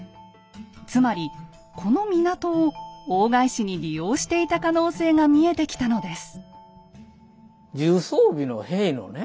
つまりこの港を大返しに利用していた可能性が見えてきたのです。